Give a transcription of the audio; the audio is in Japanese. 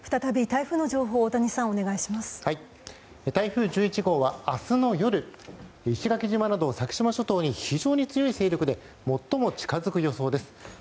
台風１１号は明日の夜石垣島など先島諸島に非常に強い勢力で最も近づく予想です。